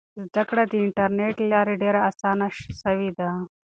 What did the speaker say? زده کړه د انټرنیټ له لارې ډېره اسانه سوې ده.